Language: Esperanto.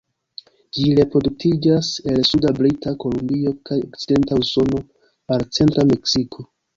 Ĝi reproduktiĝas el suda Brita Kolumbio kaj okcidenta Usono al centra Meksiko.